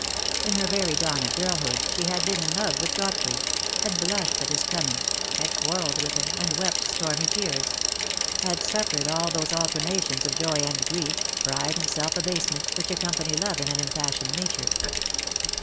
In her very dawn of girlhood she had been in love with Godfrey: had blushed at his coming: had quarrelled with him, and wept stormy tears: had suffered all those alternations of joy and grief, pride and self abasement, which accompany love in an impassioned nature.